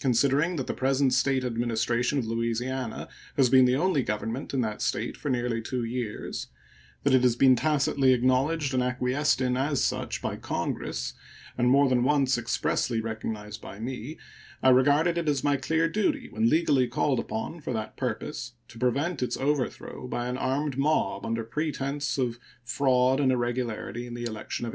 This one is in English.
Considering that the present State administration of Louisiana has been the only government in that State for nearly two years; that it has been tacitly acknowledged and acquiesced in as such by Congress, and more than once expressly recognized by me, I regarded it as my clear duty, when legally called upon for that purpose, to prevent its overthrow by an armed mob under pretense of fraud and irregularity in the election of 1872.